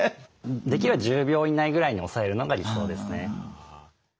できれば１０秒以内ぐらいに抑えるのが理想ですね。